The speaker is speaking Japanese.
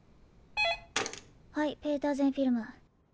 ☎はいペーターゼンフィルム。